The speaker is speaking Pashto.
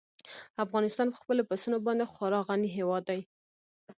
افغانستان په خپلو پسونو باندې خورا غني هېواد دی.